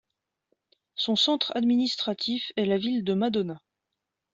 Son centre administratif est la ville de Madona.